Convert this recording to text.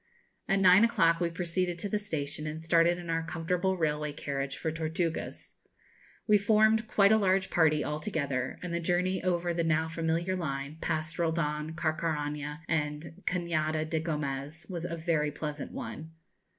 At nine o'clock we proceeded to the station, and started in our comfortable railway carriage for Tortugas. We formed quite a large party altogether, and the journey over the now familiar line, past Roldan, Carcaraña, and Cañada de Gomez, was a very pleasant one.